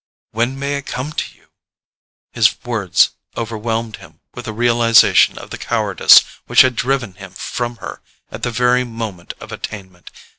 "When may I come to you?"—his words overwhelmed him with a realization of the cowardice which had driven him from her at the very moment of attainment.